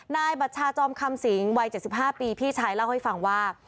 บัชชาจอมคำสิงวัย๗๕ปีพี่ชายเล่าให้ฟังว่า